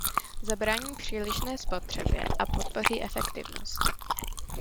Zabrání přílišné spotřebě a podpoří efektivnost.